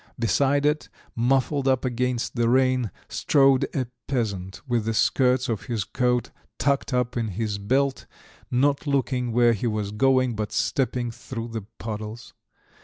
Beside it, muffled up against the rain, strode a peasant with the skirts of his coat tucked up in his belt, not looking where he was going, but stepping through the puddles.